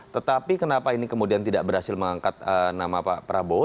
tetapi kenapa ini kemudian tidak berhasil mengangkat nama pak prabowo